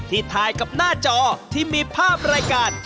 ถ่ายกับหน้าจอที่มีภาพรายการ